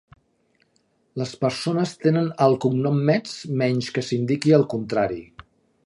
Les persones tenen el cognom Metz menys que s'indiqui el contrari.